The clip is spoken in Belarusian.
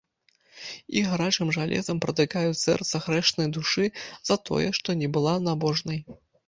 І гарачым жалезам пратыкаюць сэрца грэшнай душы за тое, што не была набожнай.